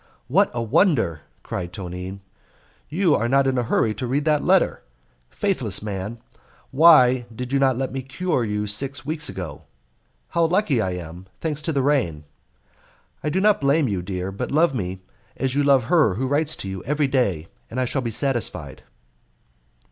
"What a wonder!" cried Tonine. "You are not in a hurry to read that letter! Faithless man, why did you not let me cure you six weeks ago. How lucky I am; thanks to the rain! I do not blame you, dear, but love me as you love her who writes to you every day, and I shall be satisfied."